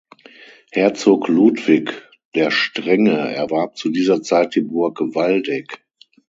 Herzog Ludwig der Strenge erwarb zu dieser Zeit die Burg Waldeck.